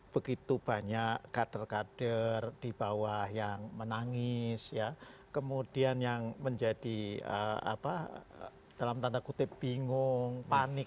begitu banyak kader kader di bawah yang menangis kemudian yang menjadi apa dalam tanda kutip bingung panik